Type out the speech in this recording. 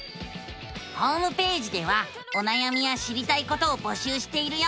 ホームページではおなやみや知りたいことを募集しているよ！